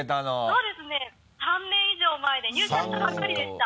そうですね３年以上前で入社したばっかりでした。